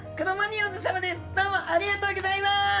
どうもありがとうギョざいます！